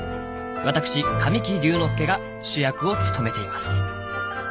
わたくし神木隆之介が主役を務めています。